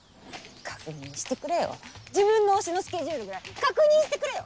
確認してくれよ自分の推しのスケジュールぐらい確認してくれよ！